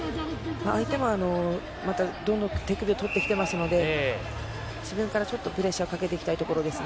相手がどんどん手首を取ってきていますので、自分からプレッシャーをかけていきたいところですね。